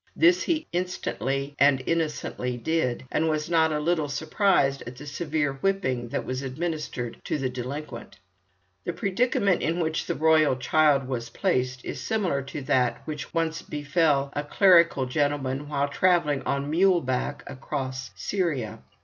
This he instantly and innocently did, and was not a little surprised at the severe whipping that was administered to the delinquent. The predicament in which the royal child was placed is similar to that which once befel a clerical gentleman while travelling on mule back across Syria.